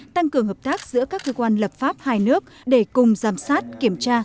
tăng cường hợp tác giữa các cơ quan lập pháp hai nước để cùng giảm sát kiểm tra